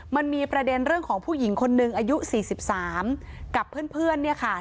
มันมีประเด็นเรื่องของผู้หญิงคนนึงอายุสี่สิบสามกับเพื่อนเพื่อนเนี่ยค่ะ